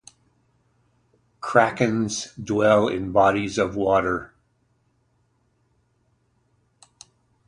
Krakens dwell in bodies of water.